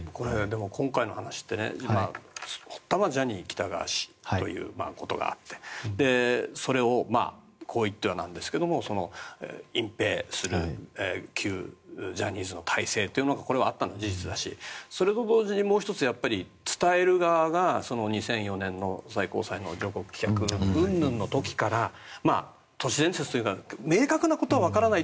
今回の話って発端はジャニー喜多川氏ということがあってそれをこう言ってはなんですが隠ぺいする旧ジャニーズの体制というのがあったのは事実だしそれと同時にもう１つ、伝える側が２００４年の最高裁の上告棄却うんぬんの時から都市伝説というか明確なことはわからない。